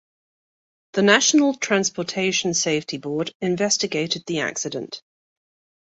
The National Transportation Safety Board investigated the accident.